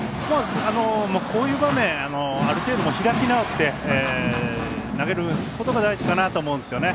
こういう場面ある程度、開き直って投げることが大事かなと思うんですよね。